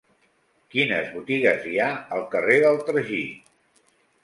Quines botigues hi ha al carrer del Tragí?